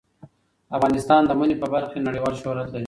افغانستان د منی په برخه کې نړیوال شهرت لري.